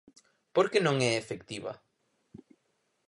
¿Por que non é efectiva?